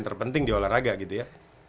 terpenting di olahraga gitu ya